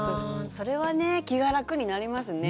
それはね気が楽になりますね。